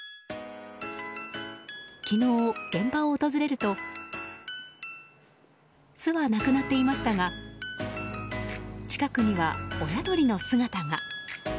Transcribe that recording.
昨日、現場を訪れると巣はなくなっていましたが近くには親鳥の姿が。